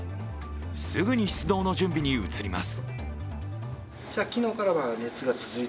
すぐに出動の準備に移ります。